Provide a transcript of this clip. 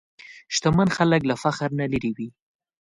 شتمن خلک له فخر نه لېرې وي.